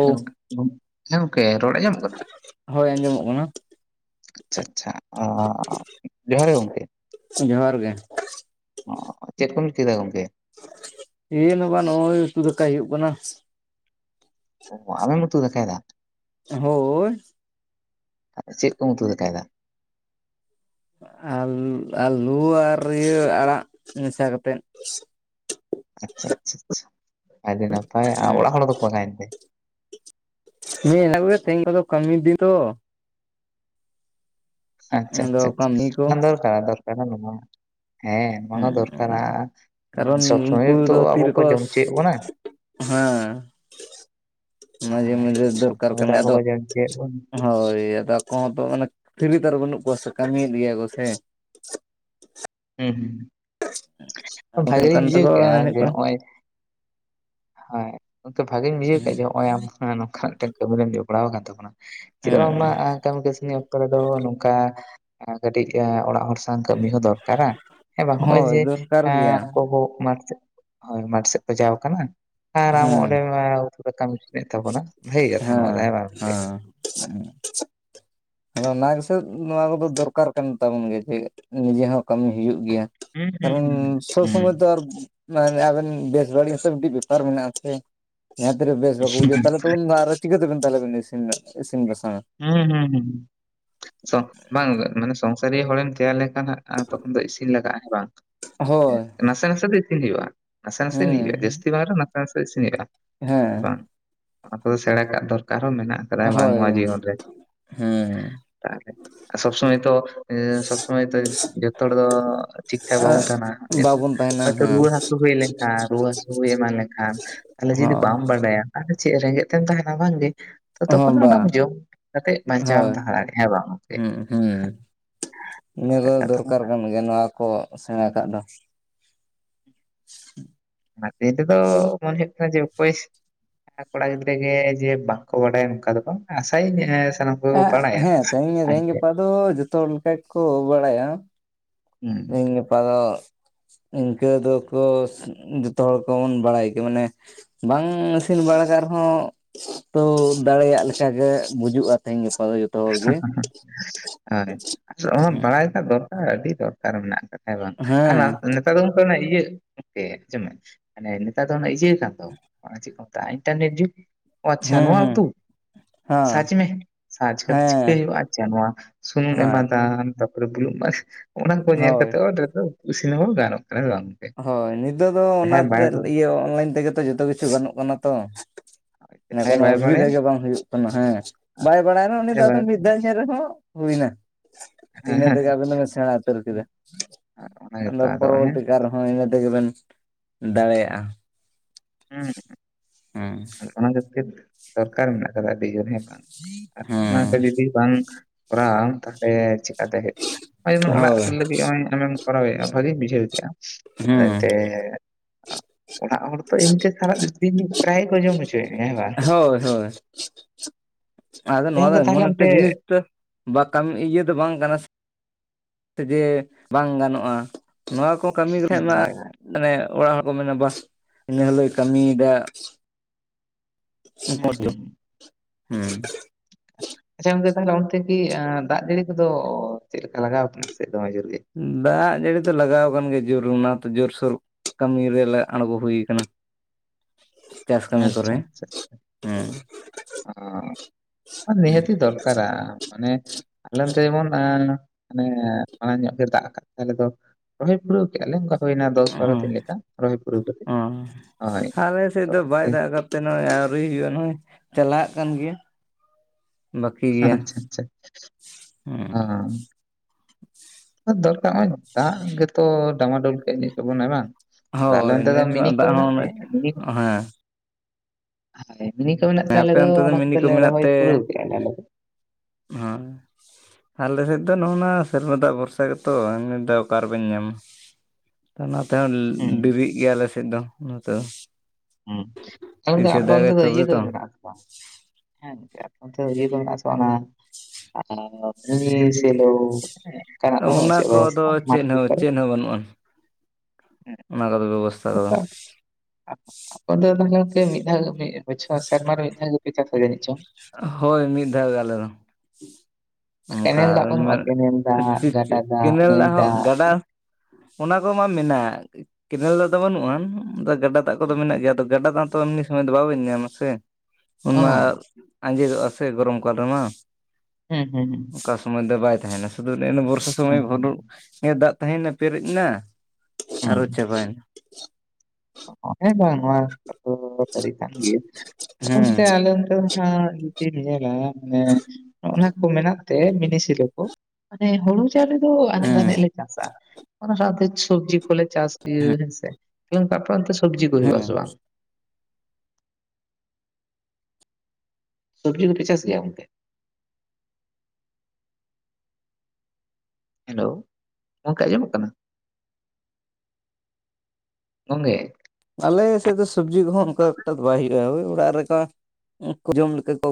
ᱦᱮ ᱜᱚᱢᱠᱮ ᱦᱮ ᱜᱚᱢᱠᱮ ᱨᱚᱲ ᱟᱡᱚᱢᱚᱜ ᱠᱟᱱᱟ ᱦᱳᱭ ᱟᱸᱡᱚᱢᱚᱜ ᱠᱟᱱᱟ ᱾ ᱟᱪᱷᱟ ᱟᱪᱷᱟ ᱡᱚᱦᱟᱨ ᱜᱮ ᱜᱚᱢᱠᱮ ᱡᱚᱦᱟᱨ ᱜᱮ ᱪᱮᱫ ᱠᱚᱢ ᱪᱤᱠᱟᱹᱭᱟᱫᱟ ᱜᱚᱝᱠᱮ ᱪᱮᱫ ᱦᱚ ᱵᱟᱝ ᱱᱚᱜᱼᱚᱭ ᱩᱛᱩ ᱫᱟᱠᱟᱭ ᱦᱩᱭᱩᱜ ᱠᱟᱱᱟ ᱚ ᱟᱢᱮᱢ ᱩᱛᱩ ᱫᱟᱠᱟᱭ ᱫᱟ ᱦᱳᱭ ᱪᱮᱫ ᱠᱚᱢ ᱩᱛᱩ ᱫᱟᱠᱟᱭᱫᱟ ᱟᱨ ᱟᱞᱩ ᱟᱨ ᱤᱭᱟᱹ ᱟᱲᱟᱜ ᱢᱮᱥᱟ ᱠᱟᱛᱮᱫ ᱟᱪᱷᱟ ᱟᱪᱷᱟ ᱟᱪᱷᱟ ᱟᱰᱤ ᱱᱟᱯᱟᱭ ᱟᱨ ᱦᱮᱸ ᱚᱲᱟᱜ ᱦᱚᱲ ᱫᱚᱠᱚ ᱚᱠᱟᱭᱮᱱᱛᱮ ᱦᱮ ᱢᱮᱱᱟᱜ ᱠᱚ ᱜᱮᱭᱟ ᱟᱫᱚ ᱠᱟᱹᱢᱤᱫᱤᱱ ᱛᱚ ᱟᱪᱷᱟ ᱟᱫᱚ ᱟᱪᱷᱟ ᱟᱪᱷᱟ ᱠᱟᱹᱢᱤ ᱠᱚ ᱚᱱᱟ ᱫᱚᱨᱠᱟᱨᱟ ᱫᱚᱨᱠᱟᱨᱟ ᱦᱮᱸ ᱱᱚᱣᱟ ᱦᱚᱸ ᱦᱮᱸ ᱫᱚᱨᱠᱟᱨᱟ ᱠᱟᱨᱚᱱ ᱥᱚᱵᱽ ᱥᱚᱢᱚᱭ ᱩᱱᱠᱩ ᱛᱚ ᱫᱚ ᱟᱵᱚ ᱠᱚ ᱛᱤᱨᱮᱠᱚ ᱡᱚᱢ ᱦᱚᱪᱚᱭᱮᱫ ᱵᱚᱱᱟ ᱦᱮᱸ ᱢᱟᱡᱷᱮ ᱦᱳᱭ ᱢᱟᱡᱷᱮ ᱥᱚᱵ ᱫᱚᱨᱠᱟᱨ ᱥᱚᱢᱚᱭ ᱠᱟᱱ ᱫᱚ ᱜᱮᱭᱟ ᱟᱵᱚ ᱟᱫᱚ ᱠᱚ ᱡᱚᱢ ᱦᱚᱪᱚᱭᱮᱫ ᱵᱚᱱᱟ ᱦᱳᱭ ᱟᱫᱚ ᱟᱠᱚ ᱦᱚᱸᱛᱚ ᱢᱟᱱᱮ ᱯᱷᱨᱤ ᱛᱚ ᱵᱟᱹᱱᱩᱜ ᱠᱚᱣᱟ ᱥᱮ ᱠᱟᱹᱢᱤᱭᱮᱫ ᱜᱮᱭᱟ ᱠᱚ ᱥᱮ ᱦᱩᱸ ᱦᱩᱸ ᱵᱷᱟᱜᱮᱧ ᱚᱱᱠᱟᱱ ᱵᱩᱡᱷᱟᱹᱣ ᱛᱟᱠᱚ ᱠᱮᱫᱼᱟ ᱢᱮᱱ ᱦᱩᱭᱩᱜ ᱡᱮ ᱠᱟᱱᱟ ᱱᱚᱜᱼᱚᱭ ᱦᱚᱸᱭ ᱵᱷᱟᱜᱤᱧ ᱵᱩᱡᱷᱟᱹᱣ ᱠᱮᱫ ᱡᱮ ᱱᱚᱜ ᱚᱭ ᱟᱢ ᱱᱚᱝᱠᱟ ᱢᱤᱫᱴᱟᱝ ᱠᱟᱹᱢᱤ ᱨᱮᱢ ᱡᱚᱯᱲᱟᱣ ᱟᱠᱟᱱ ᱛᱟᱵᱚᱱᱟ ᱪᱮᱫᱟᱜ ᱦᱮᱸ ᱵᱟᱝᱢᱟ ᱠᱟᱹᱢᱤ ᱠᱟᱹᱥᱱᱤ ᱚᱠᱛᱚ ᱨᱮᱫᱚ ᱱᱚᱝᱠᱟ ᱠᱟᱹᱴᱤᱡ ᱚᱲᱟᱜ ᱦᱚᱲ ᱠᱟᱹᱢᱤ ᱦᱚᱸ ᱫᱚᱨᱠᱟᱨᱟ ᱦᱮᱸ ᱵᱟᱝ ᱱᱚᱜᱼᱚᱭ ᱦᱳᱭ ᱡᱮ ᱫᱚᱨᱠᱟᱨ ᱜᱮᱭᱟ ᱜᱚᱜᱚ ᱢᱟᱴ ᱥᱮᱫ ᱦᱳᱭ ᱢᱟᱴᱷ ᱥᱮᱫ ᱪᱟᱞᱟᱣ ᱠᱟᱱᱟ ᱟᱨ ᱟᱢ ᱦᱮᱸ ᱚᱸᱰᱮ ᱩᱛᱩ ᱫᱟᱠᱟ ᱢᱮᱱᱟᱜ ᱛᱟᱵᱚᱱᱟ ᱵᱷᱟᱹᱜᱤ ᱠᱟᱛᱷᱟ ᱱᱚᱣᱟ ᱫᱚ ᱦᱮᱸ ᱵᱟᱝ ᱜᱚᱢᱠᱮ ᱟᱫᱚ ᱚᱱᱟ ᱜᱮᱥᱮ ᱱᱚᱣᱟ ᱠᱚᱫᱚ ᱫᱚᱨᱠᱟᱨ ᱠᱟᱱ ᱛᱟᱵᱚᱱ ᱜᱮ ᱡᱮ ᱱᱤᱡᱮ ᱦᱚᱸ ᱠᱟᱹᱢᱤ ᱦᱩᱭᱩᱜ ᱜᱮᱭᱟ ᱦᱩᱸ ᱦᱩᱸ ᱠᱟᱨᱚᱱ ᱦᱩᱸ ᱥᱚᱵ ᱦᱩᱸ ᱥᱚᱢᱚᱭ ᱫᱚ ᱟᱨ ᱢᱟᱱᱮ ᱟᱵᱤᱮᱱ ᱵᱮᱥ ᱵᱟᱹᱲᱤᱡ ᱥᱮ ᱢᱤᱴᱟᱝ ᱵᱮᱯᱟᱨ ᱢᱮᱱᱟᱜ ᱟᱥᱮ ᱡᱟᱦᱟᱸ ᱛᱤᱨᱮ ᱵᱮᱥ ᱵᱟᱠᱚ ᱵᱩᱡᱷᱟᱹᱣ ᱛᱟᱦᱚᱞᱮ ᱩᱱ [unintelligible] [unintelligible] [unintelligible] ᱛᱟᱦᱚᱞᱮ ᱵᱤᱱ ᱤᱥᱤᱱ ᱤ ᱵᱟᱥᱟᱝᱼᱟ ᱦᱩᱸ ᱦᱩᱸ ᱦᱩᱸᱥᱚᱝ ᱵᱟᱝ ᱢᱟᱱᱮ ᱥᱚᱝᱥᱟᱨᱤᱭᱟᱹ ᱦᱚᱲᱮᱢ ᱛᱮᱭᱟᱨ ᱞᱮᱠᱷᱟᱱ ᱱᱟᱜ ᱟᱨ ᱛᱚᱠᱷᱚᱱ ᱫᱚ ᱤᱥᱤᱱ ᱞᱟᱜᱟᱜᱼᱟ ᱦᱮᱸ ᱵᱟᱝ ᱦᱳᱭ ᱱᱟᱥᱮ ᱱᱟᱥᱮ ᱫᱚ ᱤᱥᱤᱱ ᱦᱩᱭᱩᱜᱼᱟ᱾ ᱱᱟᱥᱮ ᱱᱟᱥᱮ ᱦᱮᱸ ᱱᱤᱨᱟᱹ ᱡᱟᱹᱥᱛᱤ ᱵᱟᱝ ᱨᱮ ᱦᱚᱸ ᱱᱟᱥᱮ ᱱᱟᱥᱮ ᱤᱥᱤᱱ ᱦᱩᱭᱩ-ᱟ ᱦᱮᱸ ᱵᱟᱝ ᱚᱱᱟ ᱠᱚᱫᱚ ᱥᱮᱬᱟ ᱠᱟᱜ ᱫᱚᱨᱠᱟᱨ ᱦᱚᱸ ᱢᱮᱱᱟᱜᱼᱟ᱾ ᱦᱳᱭ ᱦᱩᱸᱻ ᱛᱟᱦᱞᱮ ᱥᱚᱵᱽ ᱥᱚᱢᱚᱭ ᱛᱚ ᱥᱚᱵᱽ ᱥᱚᱢᱚᱭ ᱛᱚ ᱡᱚᱛᱚ ᱦᱚᱲ ᱫᱚ ᱴᱷᱤᱠ ᱴᱷᱟᱠ ᱵᱟᱵᱚᱱ ᱛᱟᱹᱦᱮᱱᱟ᱾ ᱵᱟᱵᱚᱱ ᱛᱟᱦᱮᱱᱟ ᱦᱚᱭᱛᱚ ᱦᱮᱸ ᱨᱩᱣᱟᱹ ᱦᱟᱹᱥᱩ ᱦᱩᱭ ᱞᱮᱱᱠᱷᱟᱱ ᱨᱩᱣᱟᱹ ᱦᱟᱹᱥᱩ ᱦᱩᱭ ᱮᱢᱟᱱ ᱞᱮᱠᱷᱟᱱ ᱛᱟᱦᱚᱞᱮ ᱡᱩᱫᱤ ᱦᱚᱸ ᱵᱟᱢ [unintelligible] [unintelligible] ᱫᱚ ᱪᱮᱫ ᱨᱮᱸᱜᱮᱡ ᱛᱮᱢ ᱛᱟᱹᱦᱮᱱᱟ ᱵᱟᱝᱜᱮ ᱛᱚ ᱛᱚᱠᱷᱚᱱ ᱦᱚᱸ ᱵᱟ ᱚᱱᱟᱢ ᱡᱚᱢ [unintelligible] ᱵᱟᱧᱪᱟᱣᱮᱢ ᱦᱳᱭ ᱛᱟᱦᱮᱸ ᱫᱟᱲᱮᱭᱟᱜᱼᱟ ᱦᱮᱸ ᱵᱟᱝ ᱜᱚᱝᱠᱮ ᱦᱩᱸ ᱦᱩᱸ ᱤᱱᱟ ᱦᱳᱭ, ᱫᱚ ᱠᱟᱛᱷᱟ ᱢᱟ ᱫᱚᱨᱠᱟᱨ ᱠᱟᱱ᱾ ᱜᱮ ᱱᱚᱣᱟ ᱠᱚ ᱥᱮᱬᱟ ᱟᱹᱠᱟᱫ ᱫᱚ [inaudible] ᱱᱟᱛᱮ ᱛᱮᱫᱚ ᱢᱚᱱᱮ ᱠᱟᱱᱟ ᱡᱮ [unintelligible] ᱡᱟᱦᱟᱭ ᱠᱚᱲᱟ ᱜᱤᱫᱽᱨᱟᱹ ᱜᱮ ᱡᱮ ᱵᱟᱝᱠᱚ ᱵᱟᱰᱟᱭᱟ ᱱᱚᱝᱠᱟ ᱫᱚ ᱵᱟᱝ ᱟᱹᱥᱟᱭᱤᱧ ᱥᱟᱱᱟᱢ ᱠᱚᱜᱮ ᱠᱚ [unintelligible] ᱵᱟᱲᱟᱭᱟ ᱦᱮᱸ ᱛᱮᱦᱮᱧ ᱟᱨ ᱨᱮᱧ ᱪᱮᱫ ᱜᱟᱯᱟ ᱫᱚ ᱡᱚᱛᱚ ᱦᱚᱲ ᱞᱮᱠᱟ ᱜᱮ ᱠᱚ ᱵᱟᱹᱲᱟᱭᱟ [inaudible] ᱛᱮᱦᱮᱧ ᱜᱟᱯᱟ ᱫᱚᱜ ᱤᱱᱠᱟᱹ ᱫᱚᱠᱚ [unintelligible] ᱡᱚᱛᱚ ᱦᱚᱲ ᱠᱚᱵᱚᱱ ᱵᱟᱹᱲᱟᱭ ᱜᱮ ᱢᱟᱱᱮ ᱵᱟᱝ ᱤᱥᱤᱱ ᱵᱟᱲᱟᱠ ᱨᱮᱦᱚᱸᱻ ᱛᱚ ᱫᱟᱲᱮᱭᱟᱜ ᱞᱮᱠᱟᱜᱮ ᱵᱩᱡᱩᱜᱼᱟ ᱛᱮᱦᱮᱧ ᱜᱟᱯᱟ ᱫᱚ ᱦᱚᱲ ᱜᱮ [unintelligible] ᱟᱹᱰᱤ [unintelligible] [unintelligible] ᱦᱮᱸ ᱵᱟᱲᱟᱭ ᱨᱮᱭᱟᱜ ᱫᱚᱨᱠᱟᱨ ᱟᱹᱰᱤ ᱫᱚᱨᱠᱟᱨ ᱢᱮᱱᱟᱜ ᱠᱟᱫᱟ᱾ ᱦᱮᱸ ᱵᱟᱝ ᱟᱨ ᱦᱮᱸ ᱱᱮᱛᱟᱨ ᱫᱚ ᱚᱱᱠᱟ ᱤᱭᱟᱹ [inaudible] [unintelligible] ᱱᱮᱛᱟᱨ ᱫᱚ ᱤᱭᱟᱹ [unintelligible] ᱚᱱᱟ ᱪᱮᱫ ᱠᱚ ᱡᱮᱛᱜᱼᱟ ᱤᱱᱴᱤᱨᱱᱮᱯ ᱡᱤᱯ ᱟᱳ ᱟᱪᱪᱷᱟ ᱦᱮᱸ ᱱᱚᱣᱭᱟ ᱦᱮᱸ ᱩᱛᱩ ᱦᱮᱸ ᱥᱟᱪ ᱢᱮ ᱟᱪᱠᱟ ᱛᱚ ᱪᱤᱠᱟᱹᱭ ᱦᱮᱸ ᱦᱩᱭᱩᱜᱼᱟ ᱟᱪᱪᱟ ᱱᱚᱣᱟ ᱥᱩᱱᱩᱢ ᱮᱢᱟ ᱦᱮᱸ ᱟᱫᱟᱢ ᱛᱟᱨᱯᱚᱨᱮ ᱵᱩᱞᱩᱜ ᱮᱢ ᱚᱱᱟ ᱠᱚ ᱧᱮᱞ ᱦᱳᱭ ᱠᱟᱛᱮ ᱫᱚ ᱰᱮᱦᱮᱨ ᱫᱚ ᱤᱥᱤᱱ ᱦᱚᱸ ᱜᱟᱱᱚᱜ ᱠᱟᱱᱟ ᱵᱟᱝ ᱦᱳᱭ ᱱᱤᱛᱚᱜ ᱫᱚ ᱡᱟᱦᱟᱸᱭ ᱵᱟᱭ ᱚᱱᱟᱛᱮ ᱵᱟᱲᱟᱭᱟ ᱤᱭᱟᱹ ᱚᱱᱞᱟᱭᱤᱱ ᱛᱮᱜᱮ ᱛᱚ ᱡᱚᱛᱚ ᱠᱤᱪᱷᱩ ᱜᱟᱱᱚᱜ ᱠᱟᱱᱟ ᱛᱚ᱾ [unintelligible] ᱡᱟᱦᱟᱸᱭ ᱠᱳᱱᱳ ᱵᱟᱭ ᱵᱟᱲᱟᱭᱟ ᱚᱥᱩᱵᱤᱫᱟ ᱜᱮ ᱵᱟᱝ ᱦᱩᱭᱩᱜ ᱠ ᱦᱮᱸ ᱵᱟᱭ ᱵᱟᱲᱟᱭᱱᱟ ᱩᱱᱤ ᱡᱟᱦᱟᱸᱭ ᱫᱚ ᱵᱟᱭ ᱟᱫᱚ ᱢᱤᱫ ᱫᱷᱟᱣ ᱦᱮᱸ ᱨᱮᱦᱚᱸ ᱦᱩᱭᱱᱟ ᱦᱮᱸ ᱤᱱᱟᱹ ᱛᱮᱜᱮ ᱦᱮᱸ ᱟᱹᱵᱤᱱ ᱫᱚ ᱵᱤᱱ ᱥᱮᱬᱟ ᱩᱛᱟᱨ ᱠᱮᱫᱟ ᱚᱱᱟ ᱜᱮᱛᱚ ᱟᱹᱫᱚ ᱟᱫᱚ ᱚᱱᱮ ᱯᱚᱨᱚᱣᱛᱤ ᱦᱚᱸ ᱤᱱᱟᱹ ᱛᱮᱜᱮᱵᱮᱱ ᱫᱟᱲᱮᱭᱟᱜᱼᱟ᱾ ᱦᱩᱸ ᱦᱩᱸ ᱟᱫᱚ ᱚᱱᱟ ᱠᱷᱟᱹᱛᱤᱨ ᱫᱚᱨᱠᱟᱨ ᱢᱮᱱᱟᱜ ᱠᱟᱫᱼᱟ ᱟᱹᱰᱤ ᱡᱳᱨ ᱦᱮᱸ ᱵᱟᱝ ᱚᱱᱟ ᱦᱩᱸ ᱠᱚ ᱡᱩᱫᱤ ᱵᱟᱝ ᱯᱩᱨᱟ ᱛᱟᱦᱚᱞᱮ ᱪᱮᱠᱟ ᱛᱮ ᱦᱮᱡ ᱮᱱᱟ ᱟᱭᱚᱢ ᱡᱮ ᱚᱲᱟᱜ ᱦᱳᱭ ᱨᱮ ᱞᱟᱹᱜᱤᱫ ᱦᱚᱸ ᱟᱹᱢᱮᱢ ᱠᱚᱨᱟᱣ ᱮᱟᱢ ᱵᱷᱟᱹᱜᱤᱧ ᱵᱩᱡᱷᱟᱹᱣ ᱠᱮ-ᱟ ᱟᱫᱚ ᱦᱩᱸ ᱮᱱ ᱛᱮ ᱚᱲᱟᱜ ᱦᱚᱲ ᱛᱚ ᱤᱧ ᱛᱮ ᱠᱷᱟᱨᱟᱜ ᱫᱤᱱ [unintelligible] ᱴᱨᱟᱭ ᱠᱚ ᱡᱚᱢ ᱦᱚᱪᱚᱭᱮᱫ ᱦᱮᱸ ᱵᱟᱝ ᱦᱳᱭ ᱦᱳᱭ ᱟᱫᱚ ᱦᱮᱸ ᱱᱚᱣᱟ ᱫᱚ ᱜᱚᱝᱠᱮ ᱛᱟᱦᱚᱞᱮ ᱮᱢᱚᱱ ᱮᱠᱴᱟ ᱚᱱᱛᱮ ᱡᱤᱱᱤᱥ ᱡᱟᱹ ᱵᱟ ᱠᱟᱹᱢᱤ ᱤᱭᱟᱹ ᱫᱚ ᱵᱟᱝ ᱠᱟᱱᱟ ᱥᱮ ᱛᱮ ᱜᱮ ᱵᱟᱝ ᱜᱟᱱᱚᱜᱼᱟ ᱱᱚᱣᱟ ᱠᱚ ᱠᱟᱹᱢᱤ ᱦᱳᱭ ᱞᱮᱠᱷᱟᱱᱡ ᱢᱟ ᱦᱳᱭ ᱢᱟᱱᱮ ᱚᱲᱟᱜ ᱦᱚᱲ ᱠᱚ ᱢᱮᱱᱟ ᱵᱟᱥ ᱤᱱᱟᱹ ᱦᱚᱞᱳᱭ ᱠᱟᱹᱢᱤᱭᱮᱫᱟ᱾ ᱦᱩᱸ [inaudible] ᱫᱚ ᱦᱩᱸ [inaudible] ᱦᱩᱸ ᱟᱪᱪᱷᱟ ᱜᱚᱢᱠᱮ ᱛᱟᱦᱚᱞᱮ ᱚᱱᱛᱮ ᱠᱤ ᱫᱟᱜ ᱡᱟᱹᱲᱤ ᱠᱚᱫᱚ ᱪᱮᱫ ᱞᱮᱠᱟ ᱞᱟᱜᱟᱣ ᱟᱠᱟᱱᱟ ᱥᱮ ᱫᱚᱢᱮ ᱡᱳᱨ ᱜᱮ? ᱫᱟᱜ ᱡᱟᱹᱲᱤ ᱫᱚ ᱞᱟᱜᱟᱣ ᱟᱠᱟᱱ ᱜᱮᱭᱟ ᱡᱳᱨ ᱚᱱᱟ ᱛᱮ ᱡᱩᱨᱼᱥᱩᱨ ᱠᱟᱹᱢᱤ ᱨᱮᱞᱮ ᱟᱸᱬᱜᱚ ᱦᱩᱭ ᱟᱠᱟᱱᱟ᱾ ᱪᱟᱥ ᱠᱟᱹᱢᱤ ᱠᱚᱨᱮ ᱦᱩᱸ ᱦᱟ. ᱱᱤᱦᱛᱤ ᱫᱚᱨᱠᱟᱨᱟ ᱢᱟᱱᱮ ᱟᱞᱮ ᱱᱚᱛᱮ ᱡᱮᱢᱚᱱ [unintelligible] ᱢᱟᱱᱮ ᱢᱟᱲᱟᱝ ᱧᱚᱜ ᱜᱮ ᱫᱟᱜ ᱟᱠᱟᱛ ᱛᱟᱦᱚᱞᱮ ᱫᱚ ᱨᱚᱦᱚᱭ ᱯᱩᱨᱟᱹᱣ ᱠᱮ-ᱟ ᱞᱮ ᱚᱝᱻ ᱦᱳᱱᱟ ᱫᱚᱥ ᱵᱟᱨᱚ ᱫᱤᱱ ᱞᱮᱠᱟ ᱨᱚᱦᱚᱭ ᱯᱩᱨᱟᱹᱣ ᱠᱟᱛᱮ ᱦᱳᱭ ᱟᱞᱮ ᱥᱮᱫ ᱫᱚ ᱵᱟᱭ ᱫᱟᱜ ᱟᱠᱟᱫ ᱛᱮ ᱱᱚᱜᱼᱚᱭ ᱟᱹᱣᱨᱤ ᱦᱩᱭᱩᱜᱼᱟ ᱱᱚᱜᱼᱚᱭ ᱪᱟᱞᱟᱜ ᱠᱟᱱ ᱜᱮᱭᱟ᱾ ᱵᱟᱹᱠᱤ ᱜᱮᱭᱟ ᱟᱪᱪᱷᱟ ᱟᱪᱪᱷᱟ [inaudible] ᱫᱚᱨᱠᱟᱨ ᱱᱚᱜᱼᱚᱭ ᱫᱟᱜ ᱜᱮᱛᱚ ᱰᱟᱢᱟᱰᱩᱞ ᱠᱮᱫ ᱛᱟᱵᱚᱱᱟ ᱵᱟᱝ᱾ ᱟᱫᱚ ᱟᱞᱮ ᱦᱳᱭ ᱚᱱᱛᱮ ᱫᱚ ᱱᱮᱥ ᱢᱤᱱᱤ ᱢᱟ ᱠᱚ ᱫᱟᱜ ᱢᱮᱱᱟᱜ ᱦᱚᱸ ᱛᱮ ᱩᱱᱟᱹᱜ ᱢᱤᱱᱤ ᱠᱚ ᱢᱮᱱᱟᱜ ᱛᱮ ᱦᱮᱸ ᱟᱞᱮ ᱟᱯᱮ ᱫᱚ ᱚᱱᱛᱮ ᱚᱱᱟ ᱢᱤᱱᱤ ᱠᱚ ᱠᱚᱫᱚᱞᱮ ᱢᱮᱱᱟᱜ ᱨᱚᱦᱚᱭ ᱛᱮ ᱯᱩᱨᱟᱹᱣ ᱠᱮᱫᱼᱟ ᱟᱞᱮ ᱫᱚ᱾ ᱦᱮᱸ ᱟᱞᱮ ᱥᱮᱫ ᱫᱚ ᱱᱚᱜᱼ ᱱᱟ ᱥᱮᱨᱢᱟ ᱫᱟᱜ ᱵᱷᱚᱨᱥᱟ ᱜᱮ ᱛᱚ ᱮᱢᱱᱤ ᱫᱚ ᱚᱠᱟᱨᱮ ᱵᱤᱱ ᱧᱟᱢᱟ ᱚᱱᱟ ᱛᱮᱦᱚᱸ ᱦᱩᱸ ᱰᱮᱨᱤᱜ ᱜᱮᱭᱟ ᱟᱞᱮ ᱥᱮᱫ ᱫᱚ ᱱᱚᱛᱮ ᱫᱚ ᱦᱩᱸ [inaudible] ᱛᱤᱥᱮ ᱟᱯᱮ ᱚᱱᱛᱮ ᱫᱟᱜᱟᱭ ᱫᱚ ᱤᱭᱟᱹ ᱛᱚᱵᱮ ᱛᱚ ᱠᱚᱫᱚ ᱢᱮᱱᱟᱜ ᱟᱥᱮ ᱵᱟᱝ ᱦᱮᱸ ᱜᱚᱝᱠᱮ ᱚᱱᱛᱮ ᱫᱚ ᱤᱭᱟᱹ ᱠᱚ ᱫᱚ ᱢᱮᱱᱟᱜ-ᱟ ᱥᱮ ᱚᱱᱟ ᱟᱨ ᱢᱤᱱᱤ ᱥᱮᱞᱳ ᱚᱱᱠᱟᱱᱟᱜ ᱵᱟᱹᱱᱩᱜᱼᱟ ᱚᱱᱟ ᱪᱮᱫ ᱠᱚᱫᱚ ᱵᱮᱵᱚᱥᱛᱷᱟ ᱢᱟᱴ ᱪᱮᱫ ᱠᱚ ᱦᱚᱸ ᱠᱚᱨᱮ ᱪᱮᱫ ᱦᱚᱸ ᱵᱟᱹᱱᱩᱜᱼᱟ ᱚᱱᱟ ᱠᱚ ᱵᱮᱵᱚᱥᱛᱷᱟ-ᱟ ᱟᱯᱮ ᱫᱚ ᱛᱟᱦᱚᱞᱮ ᱜᱚᱝᱠᱮ ᱢᱤᱫ ᱫᱷᱟᱣ ᱢᱤᱫ ᱵᱚᱪᱷᱚᱨ ᱥᱮᱨᱢᱟ ᱨᱮ ᱢᱤᱫ ᱫᱷᱟᱣ ᱜᱮᱯᱮ ᱪᱟᱥᱟ ᱡᱟᱱᱤᱡ ᱪᱚᱝ ᱦᱳᱭ ᱢᱤᱫ ᱫᱷᱟᱣ ᱜᱮ ᱟᱞᱮ ᱫᱚ ᱚᱱᱠᱟ ᱠᱮᱱᱮᱞ ᱫᱟᱜ ᱵᱟᱹᱱᱩᱜᱼᱟ ᱢᱮᱱ ᱠᱮᱱᱮᱞ ᱫᱟᱜ ᱜᱟᱰᱟ ᱠᱮᱱᱮᱞ ᱱᱟᱹᱭ ᱫᱟᱜ ᱦᱚᱸ ᱜᱟᱰᱟ ᱚ ᱚᱱᱟ ᱠᱚ ᱢᱟ ᱢᱮᱱᱟᱜ-ᱟ ᱠᱮᱱᱮᱞ ᱫᱟᱜ ᱫᱚ ᱵᱟᱹᱱᱩᱜ-ᱟ ᱟᱫᱚ ᱜᱟᱰᱟ ᱫᱟᱜ ᱠᱚ ᱫᱚ ᱢᱮᱱᱟᱜ ᱜᱮᱭᱟ ᱜᱟᱰᱟ ᱫᱟᱜ ᱛᱚ ᱮᱢᱱᱤ ᱥᱚᱢᱚᱭ ᱫᱚ ᱵᱟᱵᱮᱱ ᱧᱟᱢᱟ ᱥᱮ ᱚᱱᱟ ᱟᱡᱮᱫᱚᱜ-ᱟ ᱥᱮ ᱜᱚᱨᱚᱢ ᱠᱟᱞ ᱨᱮᱢᱟ ᱦᱩᱸ ᱦᱩᱸ ᱦᱩᱸ ᱚᱠᱟ ᱥᱚᱢᱚᱭ ᱫᱚ ᱵᱟᱭ ᱛᱟᱦᱮᱱᱟ ᱥᱩᱫᱩ [unintelligible] ᱵᱚᱨᱥᱟ ᱦᱩᱸ ᱥᱚᱢᱚᱭ ᱦᱩᱸ ᱵᱷᱰᱩ ᱜᱮ ᱫᱟᱜ ᱛᱟᱦᱮᱭ ᱱᱟ ᱯᱮᱨᱮᱡ ᱮᱱᱟ ᱟᱨᱦᱚ ᱪᱟᱵᱟᱭᱮᱱᱟ [inaudible] ᱦᱮᱸ ᱡᱟᱦᱟᱸ ᱡᱩᱫᱤᱢ ᱧᱮᱞᱟ ᱢᱟᱱᱮ ᱚᱱᱟ ᱠᱚ ᱢᱮᱱᱟᱜ ᱛᱮ ᱢᱤᱱᱤᱥᱤᱞᱳ ᱠᱚ ᱢᱟᱱᱮ ᱦᱩᱲᱩ ᱟᱹ ᱪᱟᱹᱣᱞᱤ ᱫᱚ ᱮᱱᱮᱡ ᱦᱮᱸ ᱫᱷᱟᱱᱮᱡ ᱞᱮ ᱪᱟᱥᱟ ᱚᱱᱟ ᱥᱟᱶᱛᱮ ᱥᱚᱵᱽᱡᱤ ᱠᱚᱞᱮ ᱪᱟᱥ ᱤᱭᱟᱹ ᱦᱮᱸᱥᱮ ᱜᱚᱝᱠᱮ ᱟᱯᱮ ᱚᱱᱛᱮ ᱥᱚᱵᱽᱡᱤ ᱠᱚ ᱦᱮᱸ ᱦᱩᱭᱩᱜ-ᱟ ᱥᱮ ᱵᱟᱝ ᱥᱚᱵᱽᱡᱤ ᱠᱚᱯᱮ ᱪᱟᱥ ᱜᱮᱭᱟ ᱠᱚᱢᱠᱮ ᱦᱮᱞᱳ ᱜᱚᱝᱠᱮ ᱟᱸᱡᱚᱢᱚᱜ ᱠᱟᱱᱟ ᱜᱚᱝᱠᱮ ᱟᱞᱮ ᱥᱮᱫ ᱫᱚ ᱥᱚᱵᱽᱡᱤ ᱠᱚᱦᱚᱸ ᱚᱱᱠᱟ ᱮᱠᱴᱟ ᱫᱚ ᱵᱟᱭ ᱦᱩᱭᱩᱜᱼᱟ ᱦᱳᱭ ᱚᱲᱟᱜ ᱨᱮᱠᱚ ᱡᱚᱢ ᱞᱮᱠᱟ ᱠᱚ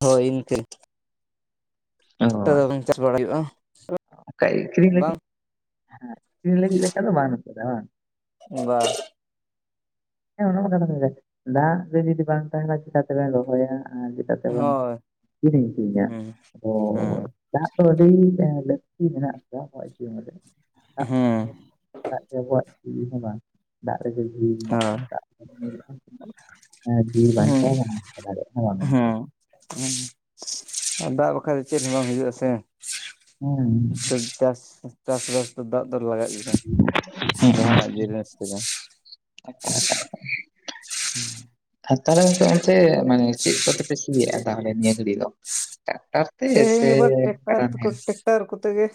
ᱦᱳᱭ ᱤᱱᱠᱟᱹ ᱚ ᱪᱟᱥ ᱵᱟᱲᱟ ᱦᱩᱭᱩᱜᱼᱟ ᱚᱱᱠᱟ ᱟᱠᱷᱨᱤᱧ ᱞᱟᱜᱤᱫ ᱵᱟᱝ ᱦᱮᱸ ᱟᱠᱷᱨᱤᱧ ᱞᱟᱹᱜᱤᱫ ᱞᱮᱠᱟ ᱫᱚ ᱵᱟᱝ [inaudible] ᱵᱟᱝ ᱵᱟᱝ ᱦᱮᱸ ᱚᱱᱟ ᱢᱟᱛᱚ ᱠᱟᱛᱷᱟ ᱠᱟᱱ ᱜᱮᱭᱟ ᱫᱟᱜ ᱜᱮ ᱡᱩᱫᱤ ᱵᱟᱝ ᱛᱟᱦᱮᱱ ᱞᱮᱱᱠᱷᱟᱱ ᱪᱮᱠᱟ ᱛᱮᱵᱮᱱ ᱨᱚᱦᱚᱭᱟ [inaudible] ᱛᱮ ᱵᱟᱝ ᱦᱳᱭ ᱠᱤᱨᱤᱧᱪᱧᱟ ᱦᱮᱸ ᱚ ᱦᱮᱸ [inaudible] ᱡᱟᱦᱟ ᱠᱚ ᱫᱚ ᱟᱹᱰᱤ ᱞᱟᱹᱠᱛᱤ ᱢᱮᱱᱟᱜ ᱟᱠᱟᱫᱟ ᱦᱳᱭ ᱦᱮᱸ ᱟᱵᱚᱣᱟᱜ [inaudible] ᱡᱤᱣᱤ ᱦᱚᱸ ᱵᱟᱝ ᱫᱟᱜ ᱨᱮᱜᱮ ᱡᱤᱣᱤ [inaudible] ᱦᱳᱭ ᱦᱮᱸ [inaudible] ᱦᱮᱸ ᱟᱨ ᱫᱟᱜ ᱵᱟᱠᱷᱟᱡ ᱫᱚ ᱪᱮᱫ ᱦᱚᱸ ᱵᱟᱝ ᱦᱩᱭᱩᱜᱼᱟ ᱥᱮ ᱦᱮᱸ [inaudible] ᱪᱟᱥᱵᱟᱥ ᱫᱚ ᱫᱟᱜ ᱫᱚ ᱞᱟᱜᱟᱜ ᱜᱮᱭᱟ ᱡᱟᱦᱟᱱᱟᱜ ᱡᱤᱱᱤᱥ ᱛᱮ ᱫᱚ ᱟᱪᱪᱷᱟ [inaudible] [unintelligible] ᱛᱟᱦᱚᱞᱮ ᱜᱚᱢᱠᱮ ᱚᱱᱛᱮ ᱢᱟᱱᱮ ᱪᱮᱫ ᱠᱚᱛᱮ ᱯᱮ ᱥᱤᱭᱮᱫᱼᱟ ᱛᱟᱦᱚᱞᱮ ᱱᱤᱭᱟᱹ ᱜᱷᱟᱹᱲᱤᱡ ᱫᱚ ᱴᱨᱟᱠᱴᱚᱨ ᱛᱮ ᱴᱨᱟᱠᱴᱚᱨ ᱥᱮ ᱠᱟᱰᱟ ᱱᱟᱦᱮᱞ ᱴᱨᱮᱠᱴᱚᱨ ᱠᱚᱛᱮ ᱜᱮ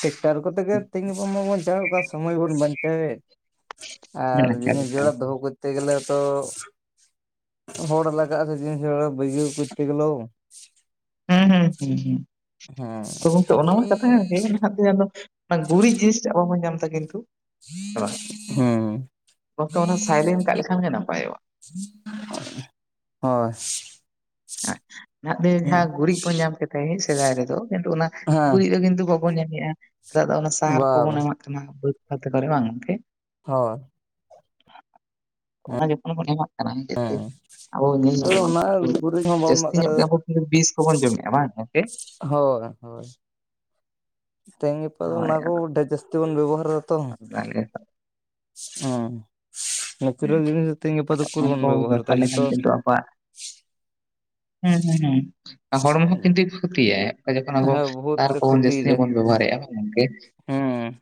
ᱴᱨᱮᱠᱴᱚᱨ ᱠᱚᱛᱮᱜ ᱜᱮ ᱛᱤᱦᱤᱧ ᱜᱟᱯᱟ ᱢᱟᱵᱚᱱ ᱪᱟᱣ ᱠᱟᱱ ᱥᱚᱢᱚᱭ ᱵᱚᱱ ᱵᱟᱧᱪᱟᱣ ᱮᱫ ᱟᱨ ᱢᱮᱱᱟᱜ ᱟᱠᱟᱫ ᱡᱤᱱᱤᱥ ᱞᱮᱠᱟ ᱡᱚᱲᱟ ᱫᱚᱦᱚ ᱛᱮ ᱜᱮᱞᱮ ᱛᱚ ᱦᱚᱲ ᱞᱟᱜᱟᱜ ᱟ ᱥᱮ ᱡᱤᱱᱤᱥ ᱵᱟᱜᱟᱣ ᱠᱩᱛᱛᱮ ᱜᱮᱞᱟᱹᱣ [inaudible] ᱦᱮᱸ ᱦᱸ ᱦ ᱦ ᱜᱚᱝᱠᱮ ᱚᱱᱟ ᱢᱟ ᱠᱟᱛᱷᱟ ᱚᱱᱟ ᱵᱷᱟᱯ ᱛᱮ ᱡᱟᱱᱚ ᱜᱩᱨᱤᱡ ᱡᱤᱱᱤᱥ ᱡᱟᱵ ᱵᱚᱱ ᱧᱟᱢ ᱫᱟ ᱠᱤᱱᱛᱩ ᱥᱮ ᱵᱟᱝ ᱦᱮᱸ ᱜᱚᱝᱠᱮ ᱚᱱᱟ ᱥᱟᱭᱞᱮᱱᱴ ᱠᱟᱜ ᱞᱮᱠᱷᱟᱱ ᱜᱮ ᱱᱟᱯᱟᱭᱚᱜᱼᱟ᱾ [unintelligible] ᱦᱳᱭ ᱮᱸᱜ ᱱᱟᱦᱟᱜ ᱛᱮ ᱦᱮᱸ ᱦᱟᱜ ᱜᱩᱨᱤᱡ ᱠᱚ ᱧᱮᱞ ᱠᱟᱛᱮᱡ ᱥᱮᱫᱟᱭ ᱨᱮᱫᱚ ᱠᱤᱱᱛᱩ ᱚᱱᱟ ᱜᱩᱨᱤᱡ ᱵᱟ ᱨᱮ ᱠᱤᱱᱛᱩ [unintelligible] ᱵᱚᱱ ᱧᱮᱞ ᱮᱫ ᱟ ᱱᱮᱛᱚᱜ ᱫᱚ ᱚᱱᱟ ᱥᱟᱨ ᱵᱟ ᱠᱚᱵᱚᱱ ᱮᱢᱟᱜ ᱠᱟᱱᱟ ᱵᱟᱹᱫᱽ ᱠᱷᱮᱛ ᱠᱚᱨᱮ ᱵᱟᱝ ᱜᱚᱢᱠᱮ ᱦᱚ ᱚᱱᱟ ᱡᱚᱠᱷᱚᱱ ᱵᱚᱱ ᱮᱢᱟᱜ ᱠᱟᱱᱟ ᱪᱮᱫ ᱦᱮᱸ ᱪᱮᱫ ᱟᱵᱚ ᱧᱮᱞ ᱛᱚ ᱚᱱᱟ [unintelligible] ᱜᱩᱨᱤᱡ ᱦᱚᱸ ᱵᱟᱵᱚᱱ ᱡᱟᱹᱥᱛᱤ ᱮᱢᱟᱜ ᱠᱟᱱ ᱧᱚᱜ ᱜᱮ ᱟᱵᱚ ᱠᱤᱱᱛᱩ ᱵᱤᱥ ᱠᱚᱵᱚᱱ ᱡᱚᱢᱮᱫᱼᱟ ᱵᱟᱝ ᱜᱚᱝᱠᱮ ᱦᱳᱭ ᱦᱳᱭ ᱛᱮᱦᱮᱧ ᱜᱟᱯᱟ ᱫᱚ ᱦᱳᱭ ᱚᱱᱟ ᱠᱚ ᱟᱫᱚ ᱰᱷᱮᱨ ᱡᱟᱹᱥᱛᱤ ᱵᱚᱱ ᱵᱮᱵᱚᱦᱟᱨ ᱫᱟᱛᱚ ᱦᱚᱸ ᱛᱟᱦᱞᱮ ᱱᱮᱛᱨᱮ ᱦᱩᱸ ᱡᱤᱱᱤᱥ ᱛᱮᱦᱮᱧ ᱜᱟᱯᱟ ᱫᱚ ᱛᱟᱦᱞᱮ ᱚᱠᱚᱨ ᱚᱱᱟ ᱵᱚᱱ ᱠᱚ ᱵᱮᱵᱚᱦᱟᱨ ᱫᱟ ᱵᱮᱯᱟᱨ ᱞᱮᱠᱷᱟᱱ ᱡᱚᱛᱚ ᱠᱤᱱᱛᱩ ᱟᱵᱚᱣᱟᱜ ᱦᱩᱸ ᱦᱩᱸ ᱦᱩᱸ ᱦᱚᱲᱢᱚ ᱦᱚᱸ ᱠᱤᱱᱛᱩᱭ ᱠᱷᱚᱛᱤᱭᱟ ᱡᱚᱠᱷᱚᱱ ᱟᱵᱚ ᱦᱮᱸ ᱵᱚᱦᱩᱛ ᱥᱟᱨ ᱠᱚᱵᱚᱱ ᱡᱟᱹᱥᱛᱤ ᱠᱷᱚᱛᱤᱭ ᱧᱤᱭᱚᱜ ᱫᱟᱭ ᱵᱚᱱ ᱵᱮᱵᱷᱟᱨ ᱮᱫᱼᱟ ᱜᱚᱝᱠᱮ ᱦᱮᱸ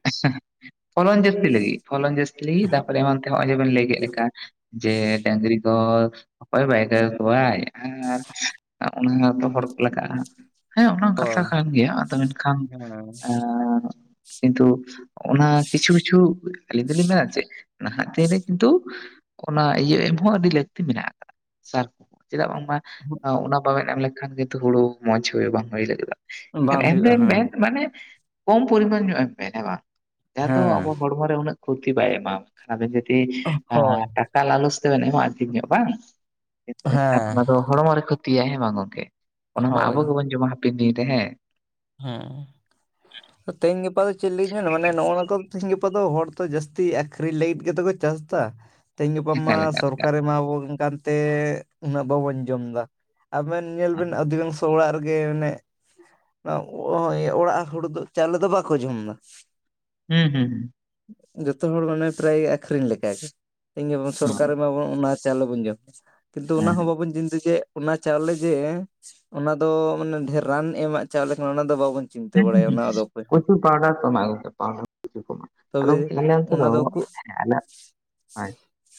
ᱯᱷᱚᱞᱚᱱ ᱡᱥᱛᱤ ᱞᱟᱹᱜᱤᱫ ᱯᱷᱚᱞᱚᱱ ᱡᱟᱹᱥᱛᱤ ᱞᱟᱹᱜᱤᱫ ᱛᱟᱨᱯᱚᱨᱮ ᱱᱚᱛᱮ ᱡᱮ ᱵᱤᱱ ᱞᱮᱭ ᱠᱮᱫᱟ ᱪᱮᱫ ᱞᱮᱠᱟ ᱡᱮ ᱰᱟᱹᱝᱨᱤ ᱠᱚ ᱚᱠᱚᱭ ᱵᱟᱭ ᱠᱟᱠᱚᱣᱟᱭ ᱟᱨ ᱚᱱᱟ ᱫᱚ ᱦᱚᱲ ᱠᱚ ᱞᱟᱜᱟᱜᱼᱟ ᱦᱮᱸ ᱚᱱᱟ ᱠᱟᱛᱷᱟ ᱦᱳᱭ ᱠᱟᱱ ᱜᱮᱭᱟ ᱟᱫᱚ ᱢᱮᱱᱠᱷᱟᱱ ᱦᱮᱸ [unintelligible] ᱠᱤᱱᱛᱩ ᱚᱱᱟ ᱠᱤᱪᱷᱩ ᱠᱤᱪᱷᱩ ᱟᱹᱞᱤᱧ ᱫᱚᱞᱤᱧ ᱢᱮᱱᱟ ᱡᱮ ᱱᱟᱦᱟᱜ ᱫᱤᱱ ᱨᱮ ᱠᱤᱱᱛᱩ ᱚᱱᱟ ᱤᱭᱟᱹ ᱮᱢ ᱦᱚᱸ ᱟᱹᱰᱤ ᱞᱟᱹᱠᱛᱤ ᱢᱮᱱᱟᱜ ᱟᱠᱟᱫᱟ ᱥᱟᱨ ᱪᱮᱫᱟᱜ ᱵᱟᱝᱢᱟ ᱚᱱᱟ ᱵᱟᱵᱮᱱ ᱮᱢ ᱞᱮᱠᱷᱟᱱ ᱱᱤᱛ ᱦᱩᱲᱩ ᱢᱚᱸᱡᱽ ᱦᱩᱭᱩᱜ ᱵᱟᱝ ᱦᱩᱭ ᱞᱟᱹᱜᱤᱫᱼᱟ ᱾ ᱮᱱ ᱵᱟᱝ ᱮᱱ ᱨᱮ ᱦᱩᱭᱩᱜᱼᱟ ᱦᱮᱸ [unintelligible] ᱢᱟᱱᱮ ᱠᱚᱢ ᱯᱚᱨᱤᱢᱟᱱ ᱧᱚᱜ ᱮᱢ ᱢᱮ ᱦᱮᱸ ᱵᱟᱝ ᱡᱟᱦᱟᱸ ᱫᱚ ᱟᱵᱚ ᱦᱮᱸ ᱦᱚᱲᱢᱚ ᱨᱮ ᱩᱱᱟᱹᱜ ᱠᱷᱚᱛᱤ ᱵᱟᱭ ᱮᱢᱟ ᱠᱷᱟ ᱟᱵᱮᱱ ᱛᱤ ᱦᱳᱭ ᱟᱸ ᱴᱟᱠᱟ ᱞᱟᱞᱚᱥ ᱛᱮᱵᱮᱱ ᱮᱢᱚᱜ-ᱟ ᱴᱷᱤᱠ ᱧᱚᱸᱜ ᱵᱟᱝ ᱠᱤᱱᱛᱩ ᱮᱱᱠᱷᱟᱱ ᱦᱮᱸ ᱚᱱᱟ ᱫᱚ ᱦᱚᱲᱢᱚ ᱨᱮ ᱠᱷᱚᱛᱤᱭᱟ ᱦᱮᱸ ᱵᱟᱝ ᱜᱚᱝᱠᱮ ᱚᱱᱟ ᱢᱟ ᱦᱳᱭ ᱟᱵᱚ ᱜᱮᱵᱚᱱ ᱡᱚᱢᱟ ᱦᱟᱯᱮᱱ ᱫᱤᱱ ᱨᱮ ᱦᱮᱸ ᱦᱚᱸ [unintelligible] ᱛᱮᱦᱮᱧ ᱜᱟᱯᱟ ᱫᱚ ᱪᱮᱫ ᱞᱤᱧ ᱢᱮᱱᱟ ᱢᱟᱱᱮ ᱱᱚᱜᱼᱚ ᱱᱚᱠᱚᱢ ᱛᱮᱦᱤᱧ ᱜᱟᱯᱟ ᱫᱚ ᱦᱚᱲ ᱫᱚ ᱡᱟᱹᱥᱛᱤ ᱟᱠᱷᱤᱨᱤᱧ ᱞᱟᱹᱜᱤᱫ ᱜᱮᱛᱚ ᱠᱚ ᱪᱟᱥ ᱫᱟ ᱛᱮᱦᱮᱧ ᱜᱟᱯᱟ ᱢᱟ ᱮᱠᱟᱞ ᱮᱠᱟᱞ ᱥᱚᱨᱠᱟᱨ ᱮᱠᱟᱞ ᱨᱮ ᱮᱢᱟ ᱵᱚᱱ ᱠᱟᱱ ᱛᱮ ᱩᱱᱟᱹᱜ ᱵᱟᱵᱚᱱ ᱡᱚᱢ ᱫᱟ ᱟᱵᱮᱱ ᱧᱮᱞ ᱵᱮᱱ ᱚᱫᱷᱤᱟᱝᱥᱚ ᱚᱲᱟᱜ ᱨᱮᱜᱮ ᱚᱱᱮᱜ [unintelligible] ᱦᱳᱭ ᱚᱲᱟᱜ ᱦᱩᱲᱩ ᱫᱚ ᱪᱟᱣᱞᱮ ᱫᱚ ᱵᱟᱠᱚ ᱡᱚᱢᱫᱟ ᱦᱩᱸ ᱦᱩᱸ ᱡᱚᱛᱚ ᱦᱚᱲ ᱢᱟᱱᱮ ᱯᱨᱟᱭ ᱜᱮ ᱟᱹᱠᱷᱤᱨᱤᱧ ᱞᱮᱠᱟ ᱜᱮ ᱤᱧ ᱜᱮᱵᱚᱱ ᱦᱩᱸ ᱥᱚᱨᱠᱟᱨᱮ ᱮᱢᱟ ᱵᱚᱱ ᱚᱱᱟ ᱪᱟᱣᱞᱮ ᱵᱚᱱ ᱡᱚᱢ ᱫᱟ ᱠᱤᱱᱛᱩ ᱚᱱᱟ ᱦᱮᱸ ᱦᱚᱸ ᱵᱟᱵᱚᱱ [unintelligible] ᱚᱱᱟ ᱪᱟᱣᱞᱮ ᱜᱮ ᱚᱱᱟ ᱫᱚ ᱢᱟᱱᱮ ᱰᱷᱮᱨ ᱨᱟᱱ ᱮᱢᱟᱜ ᱪᱟᱣᱞᱮ ᱠᱟᱱᱟ ᱚᱱᱟ ᱫᱚ ᱵᱟᱵᱚᱱ ᱪᱤᱱᱛᱟᱹ ᱦᱩᱸ ᱵᱟᱲᱟᱭᱟ ᱦᱩᱸ ᱚᱱᱟ ᱫᱚ ᱚᱠᱚᱭ ᱦᱚᱸ ᱯᱨᱚᱪᱩᱨ ᱯᱟᱣᱰᱟᱨ ᱠᱚ ᱮᱢᱟᱜ-ᱟ ᱜᱚᱢᱠᱮ ᱯᱟᱣᱰᱟᱨ ᱯᱨᱚᱪᱩᱨ ᱠᱚ ᱮᱢᱟᱜ-ᱟ ᱟᱫᱚ ᱛᱚᱵᱮ ᱜᱚᱝᱠᱮ ᱚᱱᱮ ᱚᱱᱛᱮ ᱫᱚ ᱚᱱᱟ ᱠᱚ ᱦᱮᱸ [unintelligible]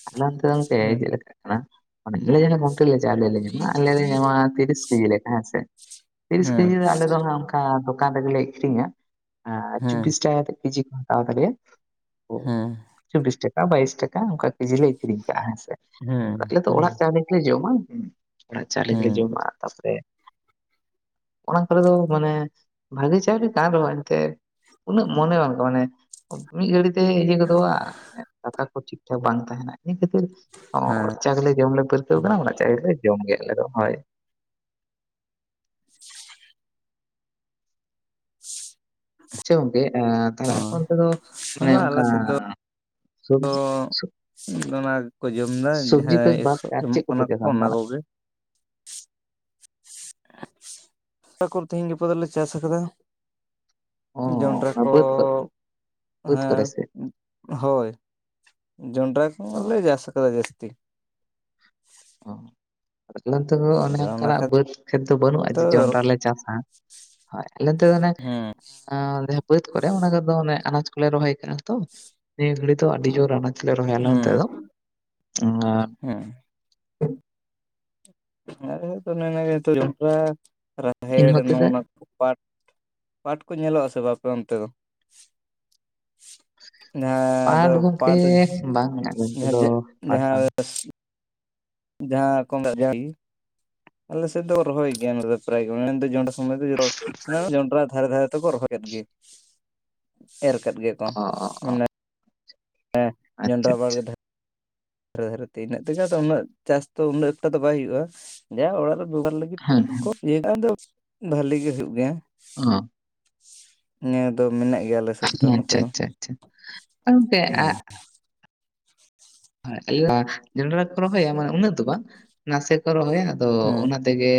ᱟᱞᱮ ᱚᱱᱛᱮ ᱫᱚ ᱜᱚᱢᱠᱮ ᱦᱮᱸ ᱡᱮᱞᱮᱠᱟ ᱚᱱᱟ ᱚᱱᱮ ᱞᱟᱭᱹᱟᱭᱟᱵᱚᱱ ᱴᱷᱮᱞᱤᱭᱟ. ᱪᱟᱞ ᱟᱞᱮ ᱞᱮ ᱧᱟᱢᱟ ᱟᱞᱮ ᱞᱮ ᱧᱟᱢᱟ ᱛᱤᱨᱤᱥ ᱠᱮᱡᱤ ᱦᱮᱸ ᱥᱮ ᱛᱤᱨᱤᱥ ᱦᱮᱸ ᱠᱮᱡᱤ ᱟᱞᱮ ᱫᱚ ᱦᱟᱸᱜ ᱚᱱᱠᱟ ᱾ ᱦᱟᱸ ᱫᱚᱠᱟᱱ ᱨᱮᱜᱮ ᱞᱮ ᱤᱠᱷᱤᱨᱤᱧᱟ ᱟᱨ ᱦᱮᱸ ᱪᱚᱵᱽᱵᱤᱥ ᱴᱟᱠᱟ ᱠᱟᱛᱮ ᱠᱮᱡᱤ ᱠᱚ ᱦᱟᱛᱟᱣ ᱛᱟᱞᱮᱭᱟ ᱦᱮᱸ ᱪᱚᱵᱽᱵᱤᱥ ᱴᱟᱠᱟ ᱵᱟᱭᱤᱥ ᱴᱟᱠᱟ ᱚᱱᱠᱟ ᱠᱮᱡᱤ ᱞᱮ ᱤᱠᱷᱤᱨᱤᱧ ᱠᱟᱜᱼᱟ ᱦᱮᱸ ᱥᱮ ᱦᱮᱸ ᱟᱞᱮ ᱫᱚ ᱦᱮᱸ ᱚᱲᱟᱜ ᱪᱟᱣᱞᱮ ᱞᱮ ᱡᱚᱢᱟ ᱦᱩᱸ ᱚᱲᱟᱜ ᱪᱟᱣᱞᱮ ᱜᱮᱞᱮ ᱦᱮᱸ ᱡᱚᱢᱟ ᱛᱟᱯᱚᱨᱮ ᱚᱱᱟ ᱠᱚᱨᱮ ᱫᱚ ᱢᱟᱱᱮ ᱵᱷᱟᱹᱜᱤ ᱪᱟᱣᱞᱤ ᱠᱟᱱ ᱨᱮᱦᱚᱸ ᱮᱱᱛᱮ ᱩᱱᱟᱹᱜ ᱢᱚᱱᱮ ᱵᱟᱝ ᱞᱟᱜᱟᱜ-ᱟ ᱢᱟᱱᱮ ᱢᱤᱫ ᱜᱷᱟᱹᱲᱤ ᱛᱮ ᱤᱫᱤ ᱜᱚᱫᱚᱜᱼᱟ ᱫᱟᱠᱟ ᱠᱚ ᱴᱷᱤᱠ ᱴᱷᱟᱠ ᱵᱟᱝ ᱛᱟᱦᱮᱱᱟ ᱤᱱᱟᱹ ᱠᱷᱟᱹᱛᱤᱨ ᱚᱸ ᱦᱮᱸ ᱚᱲᱟᱜ ᱪᱟᱣᱞᱮ ᱡᱚᱢ ᱞᱮ ᱯᱟᱹᱨᱠᱟᱹᱣ ᱠᱟᱱᱟ ᱚᱲᱟᱜ ᱪᱟᱣᱞᱮ ᱜᱮᱞᱮ ᱡᱚᱢ ᱜᱮᱭᱟ ᱟᱞᱮ ᱫᱚ ᱦᱳᱭ ᱟᱪᱪᱷᱟᱹ ᱜᱚᱝᱠᱮ [unintelligible] ᱛᱟᱦᱚᱞᱮ ᱟᱯᱮ ᱚᱱᱛᱮ ᱫᱚ ᱦᱚᱸ ᱢᱟᱱᱮ ᱵᱟᱝ ᱚᱱᱠᱟ ᱟᱞᱮ ᱥᱮᱫ ᱫᱚ ᱥᱚᱵᱡᱤ ᱚᱱᱟ ᱜᱮᱠᱚ ᱡᱚᱢᱫᱟ ᱥᱚᱵᱽᱡᱤ ᱯᱮ ᱡᱟᱦᱟᱸᱭ ᱵᱟᱫ ᱮᱥᱚᱜ ᱛᱮ ᱟᱨ ᱮᱢᱚᱜ ᱪᱮᱫ ᱠᱚᱯᱮ ᱠᱟᱱᱟ ᱠᱚ ᱪᱟᱥᱟ ᱚᱱᱟ ᱚᱱᱠᱟᱱᱟᱜ? ᱠᱚᱜᱮ [unintelligible] ᱠᱷᱚᱱ ᱛᱤᱦᱤᱧ ᱜᱟᱯᱟ ᱫᱚᱞᱮ ᱪᱟᱥ ᱟᱠᱟᱫᱟ ᱚ ᱡᱚᱱᱰᱨᱟ ᱚᱱᱟ ᱠᱚ ᱵᱟᱹᱫᱽ ᱵᱟᱹᱫᱽ ᱦᱟᱸ ᱠᱚᱨᱮ ᱥᱮ ᱦᱳᱭ ᱡᱚᱱᱰᱨᱟ ᱠᱚ ᱚ ᱦᱚᱸ ᱞᱮ ᱡᱟᱥ ᱠᱟᱫᱟ ᱡᱟᱹᱥᱛᱤ ᱻᱻ ᱚ ᱱᱚᱛᱮ ᱫᱚᱚ ᱚᱱᱮ ᱚᱱᱟ ᱚᱱᱠᱟᱱᱟᱜ ᱠᱷᱟᱹᱛᱤᱨ ᱵᱟᱹᱫᱽ ᱠᱷᱮᱛ ᱫᱚ ᱵᱟᱹᱱᱩᱜᱼᱟ ᱡᱮ ᱡᱚᱱᱰᱽᱨᱟ ᱞᱮ ᱪᱟᱥᱟ ᱦᱚᱭ ᱟᱞ ᱫᱚᱱᱮ ᱦᱩᱸ ᱟᱸᱟ ᱡᱟᱦᱟᱸ ᱵᱟᱹᱫᱽ ᱠᱚᱨᱮ ᱚᱱᱟ ᱠᱚᱫᱚ ᱚᱱᱮ ᱟᱱᱟᱡ ᱠᱚᱞᱮ ᱨᱚᱦᱚᱭ ᱠᱟᱜᱼᱟ ᱛᱚ ᱱᱤᱭᱟᱹ ᱜᱷᱟᱹᱲ ᱛᱚ ᱟᱹᱰᱤ ᱡᱳᱨ ᱟᱱᱟᱪ ᱞᱮ ᱨᱚᱦᱚ ᱭᱞᱟ ᱦᱩᱸ ᱱᱚᱛᱮᱫᱚ ᱦᱩᱸ [unintelligible] ᱚᱱ ᱚᱱᱟ ᱜᱮ ᱡᱚᱱᱰᱨᱟ ᱤᱱ ᱨᱟᱦᱮᱲ ᱱᱚ ᱦᱚᱛᱮ ᱛᱮ ᱱᱚᱣᱟ ᱯᱟᱴ ᱯᱟᱴ ᱠᱚ ᱧᱮᱞᱚᱜᱼᱟ ᱥᱮᱮ ᱵᱟ ᱟᱯᱮ ᱚᱱᱛᱮ ᱫᱚ ᱡᱟᱦᱟᱸ ᱫᱚᱳ ᱯᱟᱴ ᱚᱜ ᱵᱟᱝ ᱟᱞᱮ ᱱᱚᱛᱮ ᱡᱟᱦᱟᱸ ᱫᱚ ᱡᱟᱜ ᱯᱟᱴ ᱡᱟᱦᱟᱸ ᱵᱟᱝ ᱡᱟᱦᱟᱸ ᱠᱚ ᱢᱮᱛᱟᱜ ᱻᱻ ᱟᱯᱮ ᱥᱮᱫ ᱫᱚ ᱨᱚᱦᱚᱭ ᱜᱮᱭᱟ ᱫᱚ ᱯᱨᱟᱭ ᱜᱮ ᱢᱮᱱ ᱡᱚᱱᱰᱥ [unintelligible] ᱚᱢᱵᱟᱠᱤ ᱡᱚᱦᱚᱲ ᱚᱱᱟ ᱡᱚᱱᱰᱨᱟ ᱫᱷᱟᱨᱮ ᱫᱷᱟᱨᱮ ᱛᱮᱠᱚ ᱨᱚᱦᱚᱭ ᱮᱫ ᱜᱤ ᱮᱨ ᱠᱟᱫ ᱜᱮ ᱠᱚᱸ ᱚ ᱚ ᱚ ᱢᱟᱱᱮ ᱡᱚᱵᱽᱨᱟ ᱟᱪᱪᱷᱟ ᱟᱪᱪᱷᱟ ᱵᱟᱲᱜᱮ ᱫᱦ ᱫᱷᱟᱨᱮ ᱫᱷᱟᱨᱮ ᱛᱮ ᱤᱱᱟᱹᱜ ᱛᱮᱜ ᱫᱚ ᱩᱱᱟᱹᱜ ᱪᱟᱥ ᱫᱚ ᱩᱱᱟᱹᱜ ᱮᱠᱟ ᱫᱚ ᱵᱟᱭ ᱦᱩᱭᱩᱜᱼᱟ ᱡᱟ ᱚᱲᱟᱜ ᱨᱮ ᱵᱮᱣᱦᱟᱨ ᱞᱟᱹ ᱴᱩᱡ ᱦᱮᱸ ᱦᱮᱸ. ᱠᱚ ᱤᱭᱟ ᱟᱫᱚ ᱵᱷᱟᱞᱤ ᱜᱮ ᱦᱩᱭᱩᱜ ᱜᱮᱭᱟ ᱚᱜᱜ ᱱᱤᱭᱟᱹ ᱫᱚ ᱢᱮᱱᱟᱜ ᱜᱮᱭᱟ ᱟᱞᱮ ᱥᱮᱫ ᱫᱚ ᱱᱚᱛᱮ ᱟᱪᱪᱷᱟ ᱫᱚ ᱟᱪᱪᱷᱟ ᱟᱪᱪᱷᱟ ᱟᱨ ᱜᱚᱝᱠᱮ ᱦᱩᱸ ᱮᱜ ᱡᱚᱱᱰᱨᱟ ᱠᱚ ᱨᱚᱦᱚᱭᱟ ᱢᱟᱱᱮ ᱩᱱᱟᱹᱜ ᱫᱚ ᱵᱟᱝ ᱱᱟᱥᱮ ᱠᱚ ᱨᱚᱦᱚᱭᱟ ᱟᱫᱚᱚ ᱦᱮᱸ ᱚᱱᱟ ᱫᱚ ᱛᱮᱜᱮ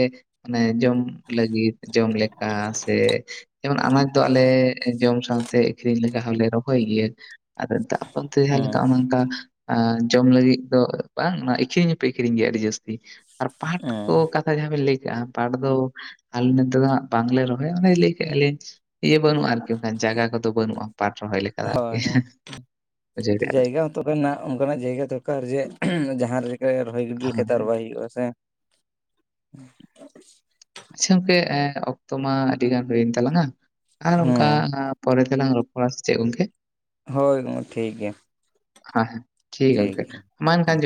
ᱢᱟᱱᱮ ᱡᱚᱢ ᱞᱟᱹᱜᱤᱫ ᱡᱚᱢ ᱞᱮᱠᱟ ᱥᱮᱮ ᱡᱮᱢᱚᱱ ᱟᱱᱟᱡ ᱫᱚ ᱟᱞᱮᱮ ᱡᱚᱢ ᱥᱟᱶᱛᱮ ᱟᱹᱠᱷᱨᱤᱧ ᱞᱮᱠᱟ ᱦᱚᱸᱞᱮ ᱨᱚᱦᱚᱭ ᱜᱮᱭᱟ ᱟᱫᱚ ᱫᱟᱜ ᱢᱚᱫᱫᱮ ᱡᱟᱦᱟ ᱞᱮᱠᱟ ᱦᱮᱸ ᱚᱱᱮ ᱚᱱᱠᱟ ᱟᱸ ᱡᱚᱢ ᱞᱟᱹᱜᱤᱫ ᱫᱚ ᱵᱟᱝ ᱤᱸᱠᱷᱨᱤᱧ ᱦᱚᱸᱯᱮ ᱤᱸᱠᱷᱨᱤᱧ ᱜᱮᱭᱟ ᱟᱹᱰᱤ ᱡᱟᱹᱥᱛᱤ ᱟᱨ ᱯᱟᱴ ᱠᱚ ᱦᱮᱸ ᱠᱟᱛ ᱡᱟᱦᱟᱸ ᱵᱮᱱ ᱞᱮᱹᱭ ᱠᱟᱜᱼᱟ ᱯᱟᱴ ᱫᱚ ᱟᱞᱮ ᱱᱚᱛᱮ ᱫᱚ ᱦᱟᱸᱜ ᱵᱟᱝᱞᱮ ᱨᱚᱦᱚᱭᱟ ᱚᱱᱮ ᱞᱟᱹᱭ ᱠᱮᱜᱼᱟ ᱞᱤᱧ ᱤᱭᱟᱹ ᱵᱟᱹᱱᱩᱜᱼᱟ ᱟᱨᱠᱤ ᱚᱱᱠᱟᱱ ᱡᱟᱭᱜᱟ ᱠᱚᱫᱚ ᱵᱟᱹᱱᱩᱜᱼᱟ ᱯᱟᱴ ᱨᱚᱦᱚᱭ ᱞᱮᱠᱟ ᱫᱚ ᱟᱨᱠᱤ ᱦᱳᱭ ᱵᱩᱡᱷᱟᱹᱣ ᱠᱮᱜᱟ ᱵᱤᱱ ᱛᱚᱵᱮ ᱱᱟᱜ ᱚᱱᱠᱟᱱᱟᱜ ᱡᱟᱭᱜᱟ ᱫᱚᱨᱠᱟᱨ ᱡᱮ ᱡᱟᱦᱟᱸ ᱨᱮ ᱨᱚᱦᱚᱭ ᱜᱤᱰᱤ ᱞᱮᱠᱟ ᱫᱚ ᱟᱨ ᱵᱟᱭ ᱦᱩᱭᱩᱜᱼᱟ ᱥᱮ ᱟᱪᱪᱷᱟ ᱜᱚᱝᱠᱮ ᱚᱠᱛᱚ ᱢᱟ ᱟᱹᱰᱤ ᱜᱟᱱ ᱦᱩᱭᱮᱱ ᱛᱟᱞᱟᱝᱼᱟ ᱟᱨ ᱚᱝᱠᱟ ᱦᱮᱸ ᱯᱚᱨᱮ ᱛᱮᱞᱟᱝ ᱨᱚᱯ ᱲᱟ ᱥᱮ ᱪᱮᱜ ᱜᱚᱝᱠᱮ ᱦᱳᱭ ᱜᱚᱝ ᱴᱷᱤᱠ ᱜᱮᱭᱟ ᱦᱟᱸ ᱴᱷᱤᱠ ᱜᱮ ᱜᱚᱝᱠᱮ ᱜᱮᱭᱟ ᱢᱟ ᱮᱱ ᱦᱮᱸ ᱠᱷᱟᱱ ᱡᱚ